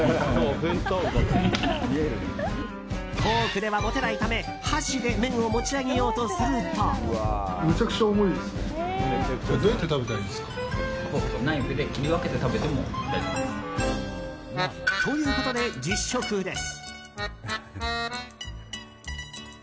フォークでは持てないため箸で麺を持ち上げようとすると。ということで、実食です。